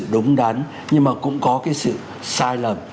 đúng đán nhưng mà cũng có cái sự sai lầm